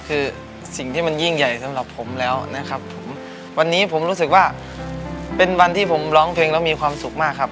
คือสิ่งที่มันยิ่งใหญ่สำหรับผมแล้วนะครับผมวันนี้ผมรู้สึกว่าเป็นวันที่ผมร้องเพลงแล้วมีความสุขมากครับ